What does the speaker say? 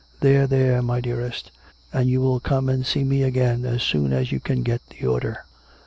" There, there, my dearest. And you will come and see me again as soon as you can get the order."